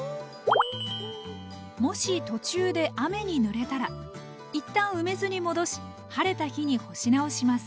もし途中で雨にぬれたらいったん梅酢に戻し晴れた日に干し直します。